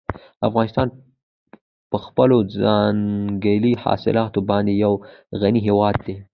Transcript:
افغانستان په خپلو ځنګلي حاصلاتو باندې یو غني هېواد دی.